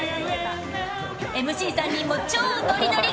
ＭＣ３人も超ノリノリ！